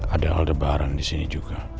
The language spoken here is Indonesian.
ada aldebaran disini juga